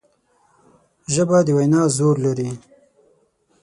ژبه د وینا زور لري